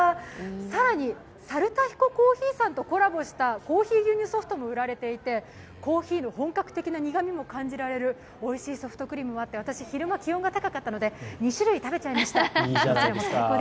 更に、猿田彦珈琲さんとコラボしたコーヒー牛乳ソフトも売られていてコーヒーの本格的な苦味も感じられるおいしいソフトクリームもあって私、昼間気温が高かったので２種類食べちゃいました。